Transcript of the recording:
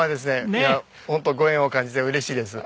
いやホントご縁を感じて嬉しいです。